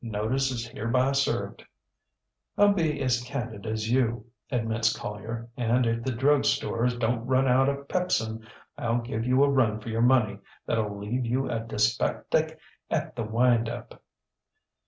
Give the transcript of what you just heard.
Notice is hereby served. ŌĆÖ ŌĆ£ŌĆśIŌĆÖll be as candid as you, ŌĆÖ admits Collier, ŌĆśand if the drug stores donŌĆÖt run out of pepsin IŌĆÖll give you a run for your money thatŌĆÖll leave you a dyspeptic at the wind up.